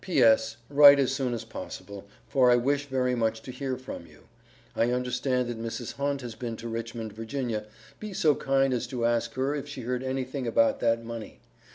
P.S. Write as soon as possible for I wish very much to hear from you. I understand that Mrs. Hunt has been to Richmond, Va. be so kind as to ask her if she heard anything about that money.